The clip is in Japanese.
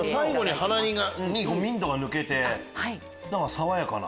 鼻にミントが抜けて爽やかな。